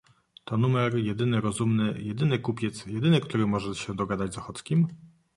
"To numer... „Jedyny rozumny... jedyny kupiec... jedyny, który może dogadać się z Ochockim?..."